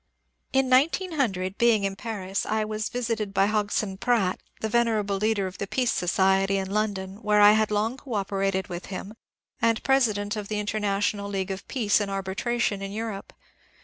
In 1900, being in Paris, I was visited by Hodgson Pratt, the venerable leader of the Peace Society in London, where I had long cooperated with him, and president of the Interna tional League of Peace and Arbitration in Europe.